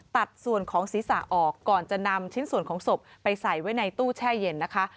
ตัดส่วนของศีรษะออกก่อนจะนำชิ้นส่วนของศพไปใส่ไว้ในตู้แช่เย็นนะคะ